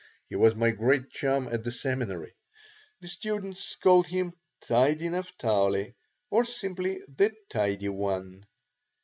He was my great chum at the seminary. The students called him Tidy Naphtali or simply the Tidy One.